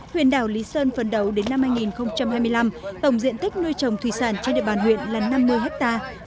huyện đảo lý sơn phần đầu đến năm hai nghìn hai mươi năm tổng diện tích nuôi trồng thủy sản trên địa bàn huyện là năm mươi hectare